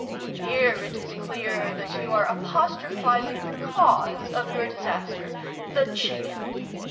Here it is clear that you are apostrophizing the cause of your disaster, the chicken.